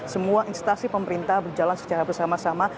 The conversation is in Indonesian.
semua instansi pemerintah berjalan secara bersama sama